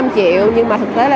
bốn năm triệu nhưng mà thực tế là